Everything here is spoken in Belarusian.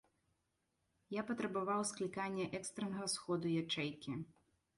Я патрабаваў склікання экстраннага сходу ячэйкі.